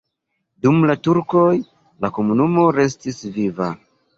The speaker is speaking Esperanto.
Dum la turkoj la komunumo restis viva.